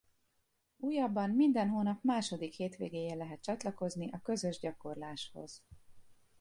Újabban minden hónap második hétvégéjén lehet csatlakozni a közös gyakorláshoz.